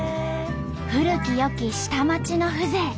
古き良き下町の風情。